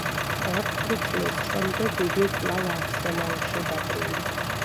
ერთი წლის შემდეგ იგი კვლავ „არსენალში“ დაბრუნდა.